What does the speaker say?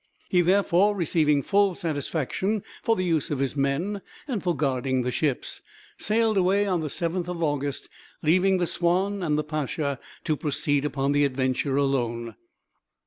He therefore, receiving full satisfaction for the use of his men and for guarding the ships, sailed away on the 7th August, leaving the Swanne and the Pacha to proceed upon the adventure, alone.